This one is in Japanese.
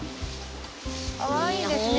かわいいですね。